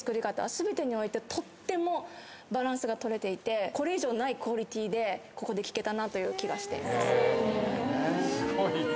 全てにおいてとってもバランスが取れていてこれ以上ないクオリティーでここで聴けたなという気がしています。